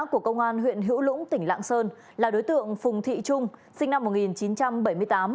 của công an huyện hữu lũng tỉnh lạng sơn là đối tượng phùng thị trung sinh năm một nghìn chín trăm bảy mươi tám